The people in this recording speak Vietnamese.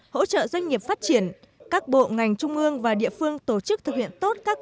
hỗ trợ doanh nghiệp phát triển các bộ ngành trung ương và địa phương tổ chức thực hiện tốt các